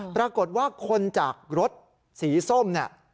ปรากฏว่าคนจากรถสีส้มเนี่ย